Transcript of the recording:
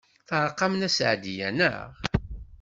Teɛreq-am Nna Seɛdiya, naɣ?